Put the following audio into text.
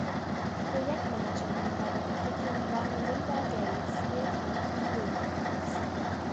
Projektmanagerin bei der Entwicklung war Melinda Gates, Ehefrau von Bill Gates.